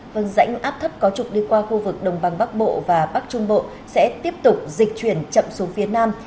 vâng rãnh áp thấp có trục đi qua khu vực đồng bằng bắc bộ và bắc trung bộ sẽ tiếp tục dịch chuyển chậm xuống phía nam